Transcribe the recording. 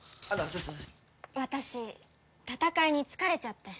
私戦いに疲れちゃって。